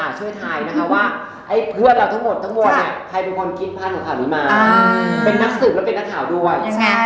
เริ่มเลย